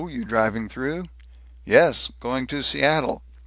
You driving through?" "Yes. Going to Seattle."